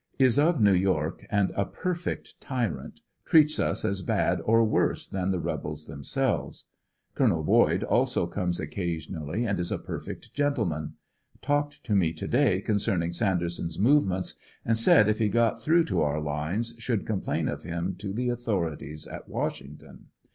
Is of ISew York and a perfect tyrant; treats us as bad or worse than the rebels themselves. Col. Boyd also comes occasionally and is a perfect gentleman. Talked to me to day con cerning Sanderson's movements, and said if he got through to our 18 ANDER80NVILLE DIART. lines should complain of him to the authorities at Washington.